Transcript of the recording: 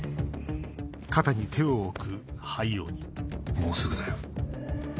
もうすぐだよ。